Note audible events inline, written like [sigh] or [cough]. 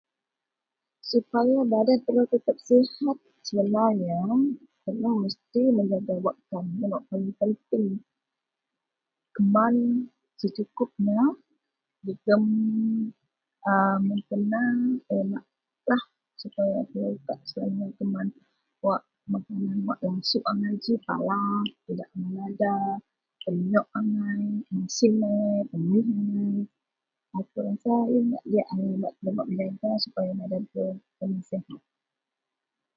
. Sepaya badan telou tetep sihat sebenarnya, telou mesti menjaga wakkan. Wak paling penting keman secukupnya jegem a mun kena a yenlah supaya telou kak keman wak… [unintelligible] penyok angai. Masin angai, temih angai.. akou rasa yen .. [unintelligible] paling sihat.